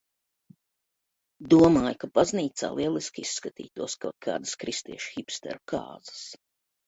Domāju, ka baznīcā lieliski izskatītos kaut kādas kristiešu hipsteru kāzas.